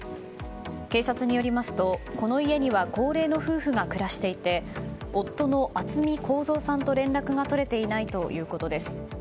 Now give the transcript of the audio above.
警察によりますと、この家には高齢の夫婦が暮らしていて夫の渥美鉱三さんと連絡が取れていないということです。